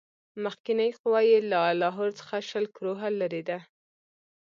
مخکنۍ قوه یې له لاهور څخه شل کروهه لیري ده.